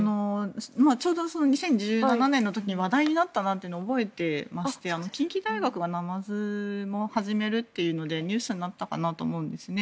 ちょうど２０１７年の時に話題になったなと覚えてまして近畿大学がナマズも始めるというのでニュースになったかと思うんです。